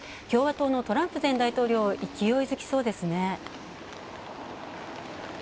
共和党のトランプ前大統領も勢いづきそうですね。